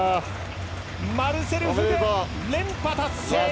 マルセル・フグ、連覇達成！